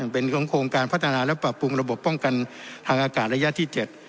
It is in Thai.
เป็นของโครงการพัฒนาและปรับปรุงระบบป้องกันทางอากาศระยะที่๗